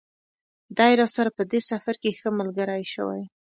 دی راسره په دې سفر کې ښه ملګری شوی.